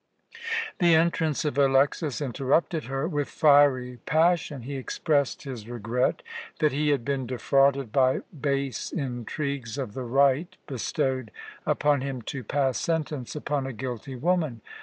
The entrance of Alexas interrupted her. With fiery passion he expressed his regret that he had been defrauded by base intrigues of the right bestowed upon him to pass sentence upon a guilty woman.